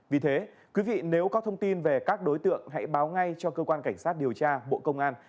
vì thế quý vị nếu có thông tin về các đối tượng hãy báo ngay cho cơ quan cảnh sát điều tra bộ công an